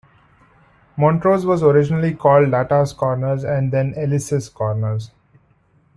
Montrose was originally called Latta's Corners and then Ellis' Corners.